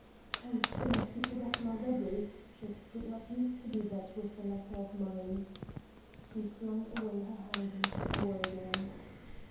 "Oh, Sim, have you forgotten already? It did not use to be that with a letter of mine!" He flung away her hands and swore again.